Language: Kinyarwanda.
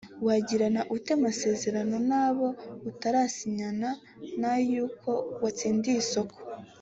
wagirana ute amasezerano nabo utarasinya n'ay'uko watsindiye isoko